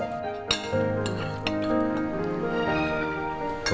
oh ya mau berangkat kok